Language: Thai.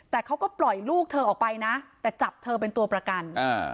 แต่เขาก็ปล่อยลูกเธอออกไปนะแต่จับเธอเป็นตัวประกันอ่า